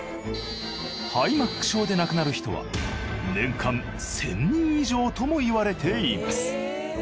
肺ＭＡＣ症で亡くなる人は年間１，０００人以上ともいわれています